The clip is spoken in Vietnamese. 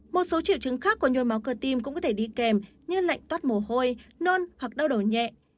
một số triệu chứng khác của nhồi máu cơ tim cũng có thể đi kèm như lạnh toát mồ hôi nơn hoặc đau đầu nhẹ